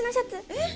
えっ！？